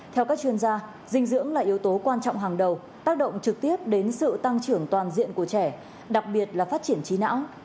theo các chuyên gia dinh dưỡng là yếu tố quan trọng hàng đầu tác động trực tiếp đến sự tăng trưởng toàn diện của trẻ đặc biệt là phát triển trí não